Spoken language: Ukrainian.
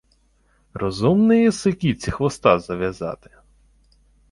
— Розумний єси кітці хвоста зав'язати.